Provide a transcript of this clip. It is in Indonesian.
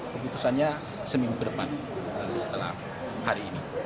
keputusannya seminggu ke depan setelah hari ini